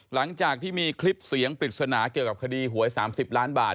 หลังจากที่มีคลิปเสียงปริศนาเกี่ยวกับคดีหวย๓๐ล้านบาท